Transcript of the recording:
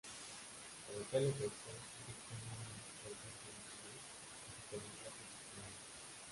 Para tal efecto, dicta normas de alcance nacional y supervisa su cumplimiento.